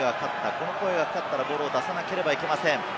この声がかかったらボールを出さなければいけません。